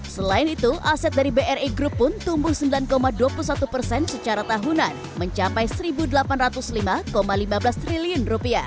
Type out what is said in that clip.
selain itu aset dari bri group pun tumbuh sembilan dua puluh satu persen secara tahunan mencapai rp satu delapan ratus lima lima belas triliun